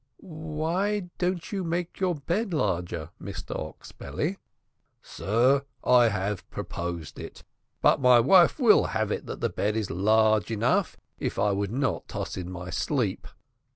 "Why don't you make your bed larger, Mr Oxbelly?" "Sir, I have proposed, but my wife will have it that the bed is large enough if I would not toss in my sleep.